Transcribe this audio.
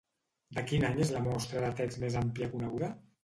De quin any és la mostra de text més àmplia coneguda?